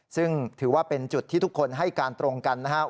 ซึ่งถือว่าเป็นจุดที่ทุกคนให้การตรงกันนะครับ